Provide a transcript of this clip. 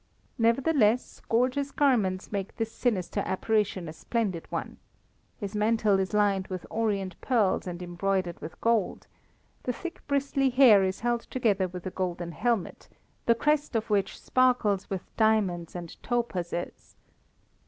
Nevertheless, gorgeous garments make this sinister apparition a splendid one. His mantle is lined with orient pearls and embroidered with gold; the thick bristly hair is held together by a golden helmet, the crest of which sparkles with diamonds and topazes.